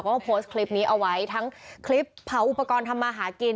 ก็โพสต์คลิปนี้เอาไว้ทั้งคลิปเผาอุปกรณ์ทำมาหากิน